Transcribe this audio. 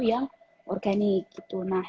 yang organik nah